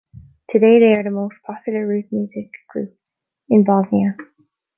Today they are the most popular root music group in Bosnia.